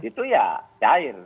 itu ya cair